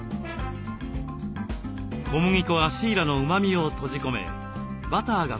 小麦粉がシイラのうまみを閉じ込めバターがコクをプラス。